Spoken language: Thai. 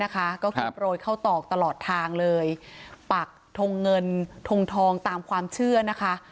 ก็คือโปรยเข้าตอกตลอดทางเลยปักทงเงินทงทองตามความเชื่อนะคะ